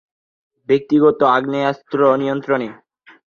গানের কথা লিখেছেন দীনেশ বিজন ও প্রিয়া সারাইয়া।